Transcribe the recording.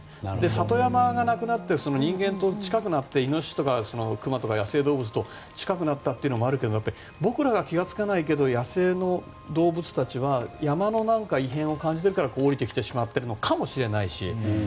里山がなくなって人間と近くなってイノシシとかクマとか近くなったというのもあるけど僕らが気がづかないけど野生の動物たちは山の異変を感じているから下りてきてしまっているのかもしれないし。